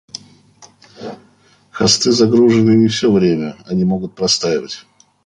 Хосты загружены не все время, они могут простаивать